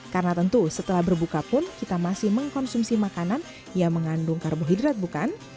karena tentu setelah berbuka pun kita masih mengkonsumsi makanan yang mengandung karbohidrat bukan